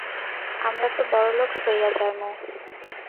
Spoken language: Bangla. আমরা তো বড়লোক্স হইযা যামু।